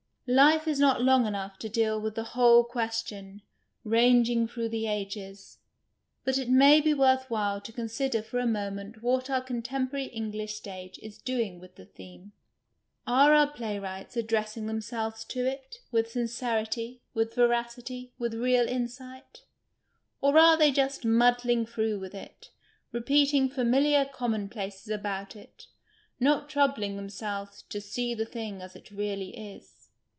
Life is not long enough to deal with the whole question, rang ing through the ages, but it may be worth while to consider for a moment what our contemporary Eng lish stage is doing with the theme. Are our play wrights addressing themselves to it with sincerity, with veracity, with real insight ? Or are they just " muddling through " with it, repeating familiar commonplaces about it, not troubling themselves " to see the thing as it really is